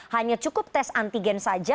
hanya cukup tes antigen saja